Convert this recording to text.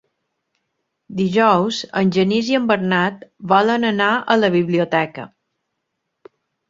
Dijous en Genís i en Bernat volen anar a la biblioteca.